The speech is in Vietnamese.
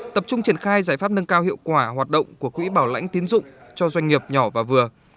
tập trung triển khai giải pháp nâng cao hiệu quả hoạt động của quỹ bảo lãnh tiến dụng cho doanh nghiệp nhỏ và vừa